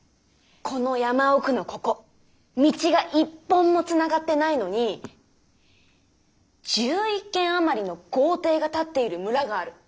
この山奥のここ道が一本もつながってないのに１１軒あまりの「豪邸」が建っている「村」がある。